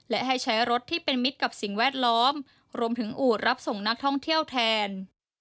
และให้ใช้รถที่เป็นมิตรกับสิ่งแวดล้อมรวมถึงอูดรับส่งนักท่องเที่ยวแทน